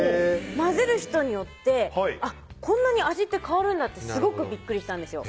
混ぜる人によってこんなに味って変わるんだってすごくびっくりしたんですよ